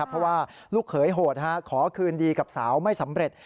เพราะว่าลูกเขยโหดขอคืนดีกับสาวไม่สำเร็จ